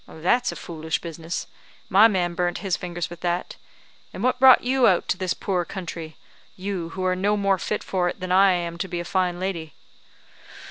"That's a foolish business. My man burnt his fingers with that. And what brought you out to this poor country you, who are no more fit for it than I am to be a fine lady?"